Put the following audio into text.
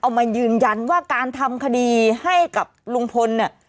เอามายืนยันว่าการทำคดีให้กับลุงพล